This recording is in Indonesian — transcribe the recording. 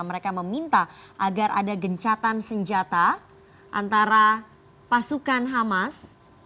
mereka meminta agar ada gencatan senjata antara pasukan hamas